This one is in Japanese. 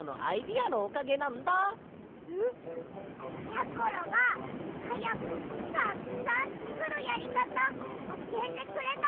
やころがはやくたくさんつくるやりかたおしえてくれたの。